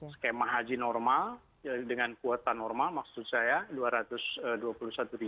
skema haji normal dengan kuota normal maksud saya rp dua ratus dua puluh satu